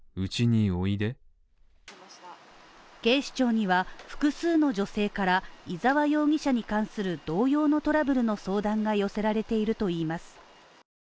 警視庁には複数の女性から伊沢容疑者に関する同様のトラブルの相談が寄せられているといいます。